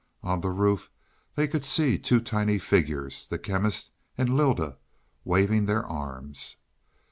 On the roof they could see two tiny figures the Chemist and Lylda waving their arms.